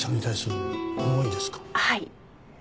はい。